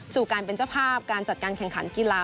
สู่การเป็นเจ้าภาพการจัดการแข่งขันกีฬา